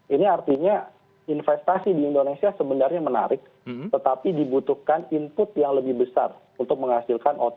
ini artinya investasi di indonesia sebenarnya menarik tetapi dibutuhkan input yang lebih besar untuk menghasilkan out